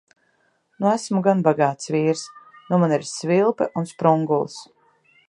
Nu esmu gan bagāts vīrs. Nu man ir svilpe un sprungulis!